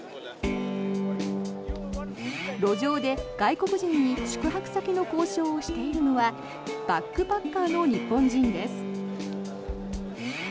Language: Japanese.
路上で、外国人に宿泊先の交渉をしているのはバックパッカーの日本人です。